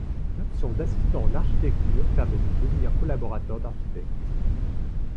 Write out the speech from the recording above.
L’option d’assistant en architecture permet de devenir collaborateur d’architecte.